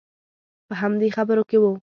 په همدې خبرو کې وو.